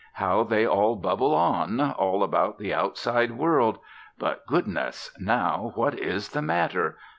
How they all bubble on, all about the outside world! But goodness! Now what is the matter?